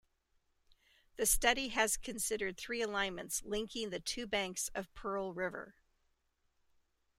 The study has considered three alignments linking the two banks of Pearl River.